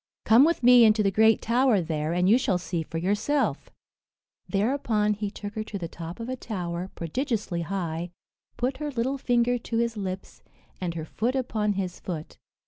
"Come with me into the great tower there, and you shall see for yourself." Thereupon he took her to the top of a tower, prodigiously high, put her little finger to his lips, and her foot upon his foot.